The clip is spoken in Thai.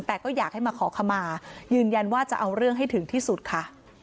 แต่ก็อยากให้มาขอขมายืนยันว่าจะเอาเรื่องให้ถึงที่สุดค่ะ